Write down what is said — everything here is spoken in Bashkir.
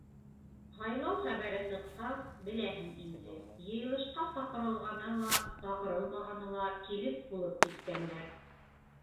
Һайлау хәбәре сыҡҡас, беләһең инде, йыйылышҡа саҡырылғаны ла, саҡырылмағаны ла килеп тулып киткәндәр.